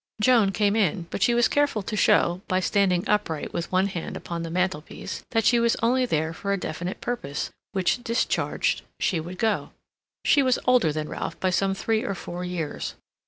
Joan came in, but she was careful to show, by standing upright with one hand upon the mantelpiece, that she was only there for a definite purpose, which discharged, she would go. She was older than Ralph by some three or four years.